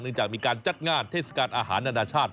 จากมีการจัดงานเทศกาลอาหารนานาชาติ